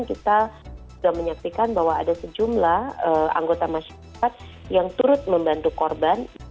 kita sudah menyaksikan bahwa ada sejumlah anggota masyarakat yang turut membantu korban